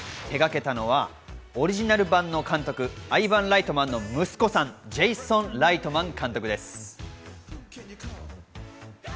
手がけたのはオリジナル版の監督、アイヴァン・ライトマンの息子さん、ジェイソン・ライトマン監督です。